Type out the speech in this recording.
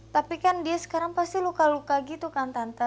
tapi kan dia sekarang pasti luka luka gitu kan tanta